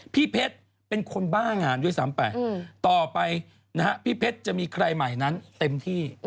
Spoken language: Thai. พี่เพชรเป็นคนบ้างานด้วยซ้ำไปต่อไปนะฮะพี่เพชรจะมีใครใหม่นั้นเต็มที่